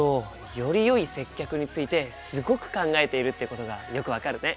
よりよい接客についてすごく考えているってことがよく分かるね。